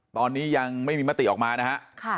ตอนนี้ยังไม่มีมติออกมานะฮะ